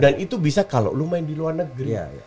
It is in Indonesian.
dan itu bisa kalau lo main di luar negeri